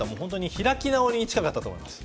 開き直りに近かったと思います。